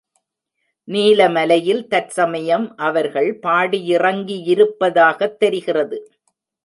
நீலமலையில் தற்சமயம் அவர்கள் பாடியிறங்கியிருப்பதாகத் தெரிகிறது.